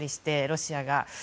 ロシアが。